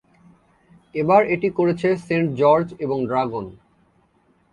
এবার এটি করেছে সেন্ট জর্জ এবং ড্রাগন।